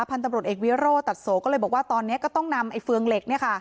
พันธุ์ตำรวจเอกวิโรธตัดโสก็เลยบอกว่าตอนนี้ก็ต้องนำไอ้เฟืองเหล็ก